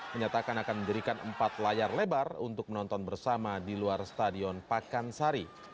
menyatakan akan mendirikan empat layar lebar untuk menonton bersama di luar stadion pakansari